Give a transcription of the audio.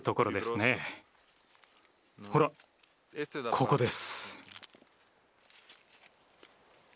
ほらここです。